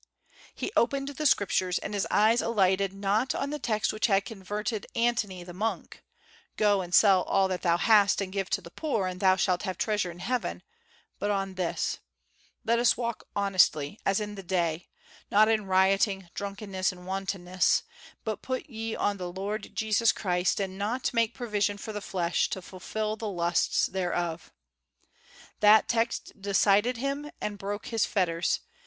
He opened the Scriptures, and his eye alighted not on the text which had converted Antony the monk, "Go and sell all that thou hast and give to the poor, and thou shalt have treasure in heaven," but on this: "Let us walk honestly, as in the day, not in rioting, drunkenness, and wantonness, but put ye on the Lord Jesus Christ, and not make provision for the flesh, to fulfil the lusts thereof." That text decided him, and broke his fetters.